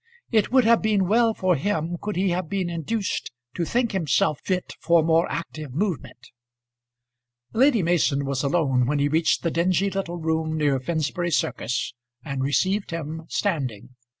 It would have been well for him could he have been induced to think himself fit for more active movement. Lady Mason was alone when he reached the dingy little room near Finsbury Circus, and received him standing.